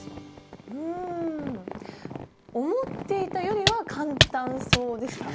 うん思っていたよりは簡単そうでした！